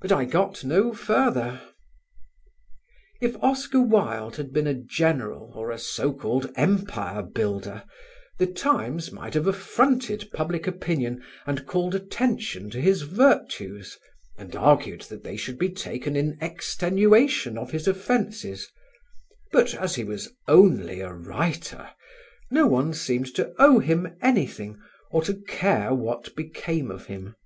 But I got no further. If Oscar Wilde had been a general or a so called empire builder, The Times might have affronted public opinion and called attention to his virtues, and argued that they should be taken in extenuation of his offences; but as he was only a writer no one seemed to owe him anything or to care what became of him.